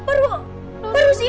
baru baru sih